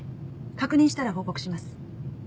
確認したら報告します。